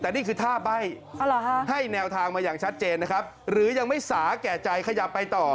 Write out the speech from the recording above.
แต่นี่คือท่าใบ้ให้แนวทางมาอย่างชัดเจนนะครับหรือยังไม่สาแก่ใจขยับไปต่อ